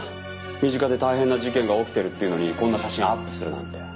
身近で大変な事件が起きてるっていうのにこんな写真をアップするなんて。